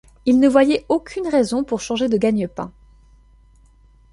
Il ne voyait aucune raison pour changer de gagne-pain.